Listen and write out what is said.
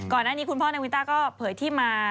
ก่อนหน้านี้คุณพ่อนาวินต้าก็เผยที่มา